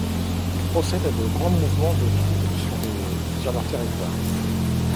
Ils procèdent à de grands mouvements de troupes sur leurs territoires.